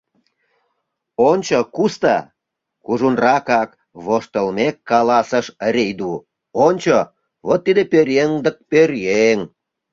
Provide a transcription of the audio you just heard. — Ончо, Куста, — кужунракак воштылмек, каласыш Рийду, — ончо, вот тиде пӧръеҥ дык пӧръеҥ!